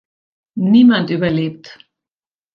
Niemand überlebt.